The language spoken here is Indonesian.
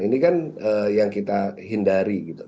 ini kan yang kita hindari gitu